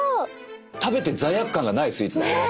食べて罪悪感がないスイーツだ。ね！